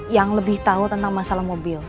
yang lebih tahu tentang masalah mobil